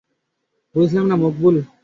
বুঝলাম না, মকবুল।